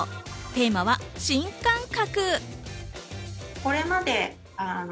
テーマは新感覚。